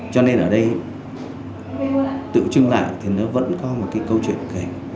cho nên ở đây tự trưng lại thì nó vẫn có một cái câu chuyện kể